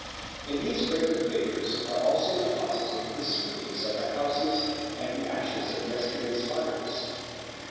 In these wicker figures are also deposited the sweepings of the houses and the ashes of yesterday's fires.